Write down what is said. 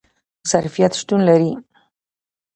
ظرفیت شتون لري